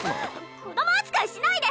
子ども扱いしないで！